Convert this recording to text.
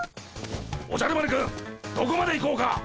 おじゃる丸くんどこまで行こうか！